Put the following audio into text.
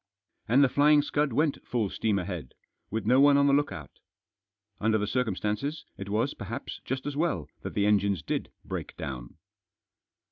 And The Flying Scud went full steam ahead, with no one on the look out Under the circumstances, it was, perhaps, just as well that the engines did break down.